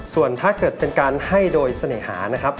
ส่วนถ้าเกิดเป็นการให้โดยเสน่หานะครับ